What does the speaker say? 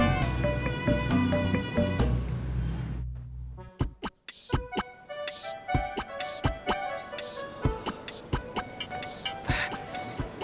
mau ke barang